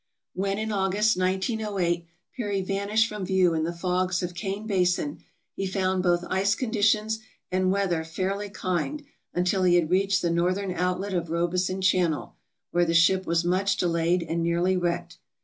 MISCELLANEOUS 475 When in August, 1908, Peary vanished from view in the fogs of Kane Basin, he found both ice conditions and weather fairly kind until he had reached the northern outlet of Robeson Channel, where the ship was much delayed and nearly wrecked.